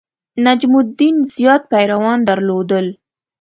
نجم الدین زیات پیروان درلودل.